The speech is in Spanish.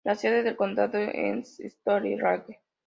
La sede del condado es Storm Lake.